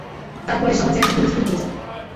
তার পরে সমাজে একটা হুলস্থুল পড়ে যাবে।